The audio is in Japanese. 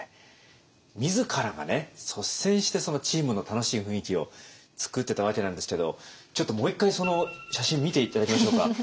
自らが率先してチームの楽しい雰囲気を作ってたわけなんですけどちょっともう一回その写真見て頂きましょうか。